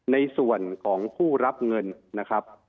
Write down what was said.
ในส่วนของผู้รับเงินนะครับ